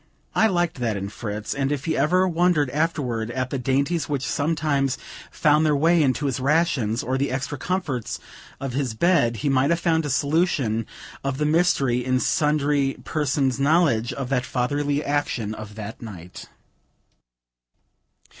I liked that in Fritz, and if he ever wondered afterward at the dainties which sometimes found their way into his rations, or the extra comforts of his bed, he might have found a solution of the mystery in sundry persons' knowledge of the fatherly action of that night.